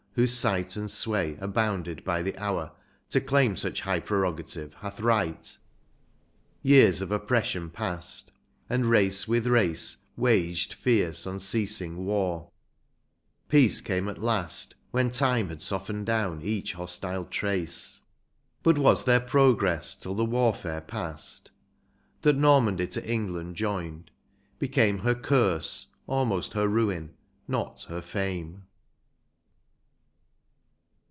Whose sight and sway are bounded by the hour, To claim such high prerogative hath right : Years of oppression passed, and race with race Waged fierce, unceasing war ; peace came at last, When time had softened down each hostile trace, — But was there progress till the warfare passed ? That Normandy to England joined, became Her curse, almost her ruin, not her fame.